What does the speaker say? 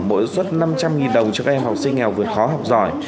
mỗi suất năm trăm linh đồng cho các em học sinh nghèo vượt khó học giỏi